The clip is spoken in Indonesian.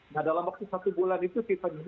nah dalam waktu satu bulan itu kita